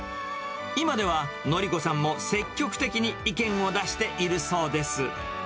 今では希子さんも積極的に意見を出しているそうです。